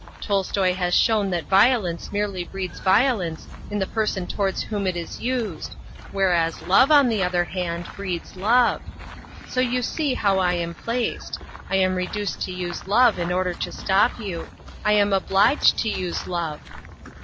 Tolstoy has shown that violence merely breeds violence in the person towards whom it is used, whereas Love, on the other hand, breeds Love. So you see how I am placed. I am reduced to use Love in order to stop you. I am obliged to use Love."